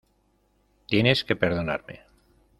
tienes que perdonarme.